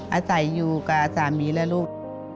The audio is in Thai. อาศัยอยู่กับสามีและลูก